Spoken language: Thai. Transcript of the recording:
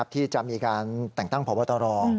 ที่จะมีการแต่งตั้งพบตร